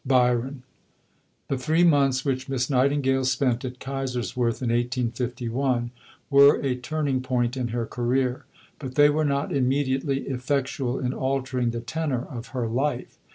BYRON. The three months which Miss Nightingale spent at Kaiserswerth in 1851 were a turning point in her career, but they were not immediately effectual in altering the tenor of her life.